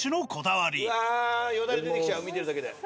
わあよだれ出てきちゃう見てるだけで。